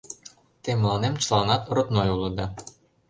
Те мыланем чыланат родной улыда.